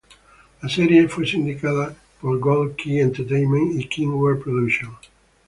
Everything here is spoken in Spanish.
La serie fue sindicado por Gold Key Entertainment y King World Productions.